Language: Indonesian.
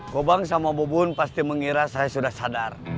kobang sama bubun pasti mengira saya sudah sadar